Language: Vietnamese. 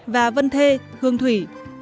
và vân thê hương thủy